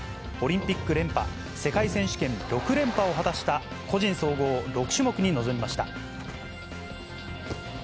オリンピック連覇、世界選手権６連覇を果たした個人総合６種目に臨みました。